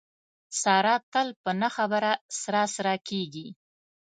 ساره تل په نه خبره سره سره کېږي.